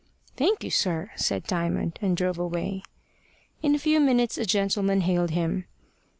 "Thank you, sir," said Diamond, and drove away. In a few minutes a gentleman hailed him.